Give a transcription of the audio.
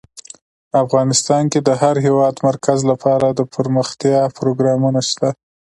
افغانستان کې د د هېواد مرکز لپاره دپرمختیا پروګرامونه شته.